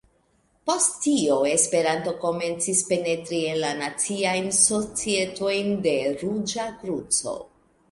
Post tio Esperanto komencis penetri en la naciajn societojn de Ruĝa Kruco.